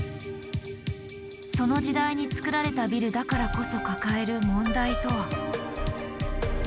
その時代に造られたビルだからこそ抱える問題とは。